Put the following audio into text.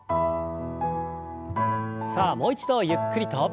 さあもう一度ゆっくりと。